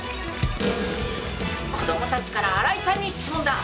子供たちから新井さんに質問だ。